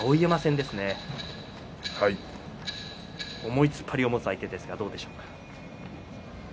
重い突っ張りを持つ相手ですがどうでしょうか。